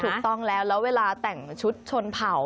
ถูกต้องแล้วแล้วเวลาแต่งชุดชนเผา